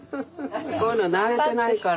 こういうの慣れてないから。